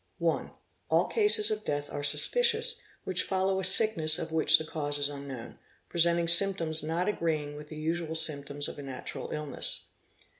fe 1. All cases of death are suspicious which follow a sickness of which 4 he cause is unknown, presenting symptoms not agreeing with the usual Symptoms of a natural illness.